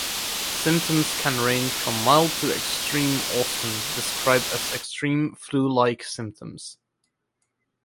Symptoms can range from mild to extreme-often described as extreme flu-like symptoms.